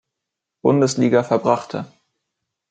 Bundesliga verbrachte.